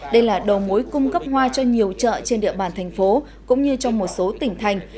đây là đầu mối cung cấp hoa cho nhiều chợ trên địa bàn thành phố cũng như trong một số tỉnh thành